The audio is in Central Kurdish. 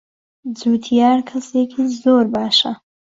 جوتیار کەسێکی زۆر باشە.